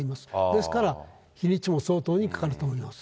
ですから、日にちも相当にかかると思います。